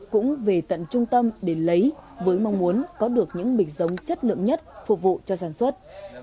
cũng về tận trung tâm để lấy với mong muốn có được những bịch giống chất lượng nhất phục vụ cho sản xuất